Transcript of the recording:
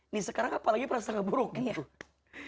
nih sekarang apalagi perasangka buruk gitu